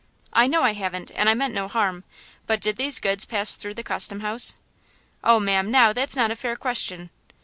"I know I haven't, and I meant no harm, but did these goods pass through the custom house?" "Oh, ma'am, now, that's not a fair question!"